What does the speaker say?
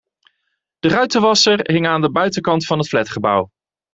De ruitenwasser hing aan de buitenkant van het flatgebouw.